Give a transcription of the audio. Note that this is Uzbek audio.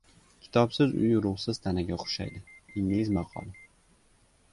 Kitobsiz uy ruhsiz tanaga o‘xshaydi. Ingliz maqoli